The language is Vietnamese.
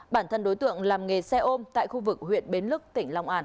bản thân đối tượng làm nghề xe ôm tại khu vực huyện bến lức tỉnh long an